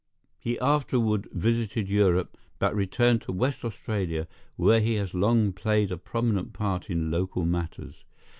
He afterward visited Europe, but returned to West Australia, where he has long played a prominent part in local matters.